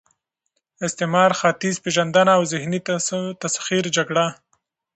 استعمار، ختیځ پېژندنه او د ذهني تسخیر جګړه